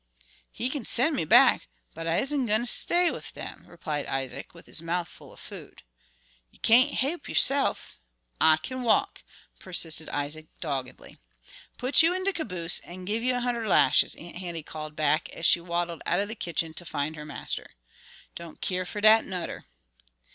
"He kin sen' me back, but I isn't gwine stay wid 'em," replied Isaac, with his mouth full of food. "You cain't he'p yo'se'f." "I kin walk," persisted Isaac doggedly. "Put you in de caboose an' give yer hundred lashes," Aunt Henny called back, as she waddled out of the kitchen to find her master. "Don' keer fer dat, nudder."